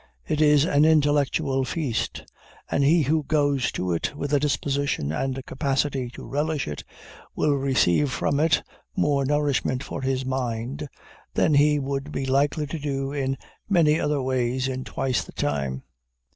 It is an intellectual feast; and he who goes to it with a disposition and capacity to relish it, will receive from it more nourishment for his mind, than he would be likely to do in many other ways in twice the time.